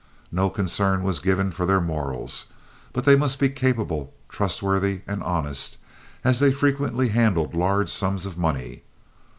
No concern was given for their morals, but they must be capable, trustworthy, and honest, as they frequently handled large sums of money.